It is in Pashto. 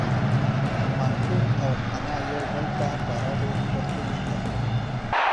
ماشوم او انا یو بل ته په رډو سترگو کتل.